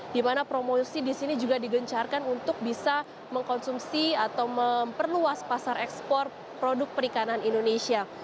di mana promosi di sini juga digencarkan untuk bisa mengkonsumsi atau memperluas pasar ekspor produk perikanan indonesia